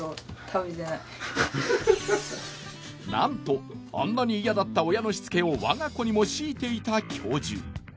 なんとあんなに嫌だった親のしつけを我が子にも強いていた教授。